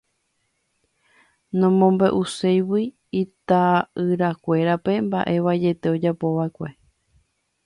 nomombe'uségui ita'yrakuérape mba'e vaiete ojapova'ekue